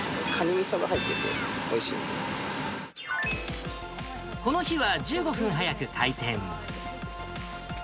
みそが入ってて、おいしいでこの日は、１５分早く開店。